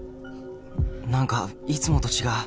何かいつもと違う